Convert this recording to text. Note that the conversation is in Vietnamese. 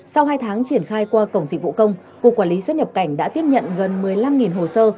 sau hai tháng triển khai qua cổng dịch vụ công cục quản lý xuất nhập cảnh đã tiếp nhận gần một mươi năm hồ sơ